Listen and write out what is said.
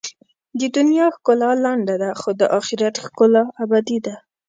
د دنیا ښکلا لنډه ده، خو د آخرت ښکلا ابدي ده.